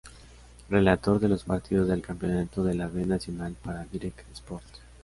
Relator de los partidos del Campeonato de la B Nacional para Directv Sports.